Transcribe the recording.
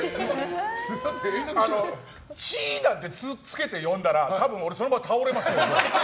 っちなんてつけて呼んだら多分、俺、そのまま倒れますよ。